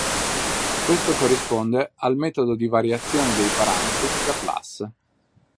Questo corrisponde al metodo di variazione dei parametri di Laplace.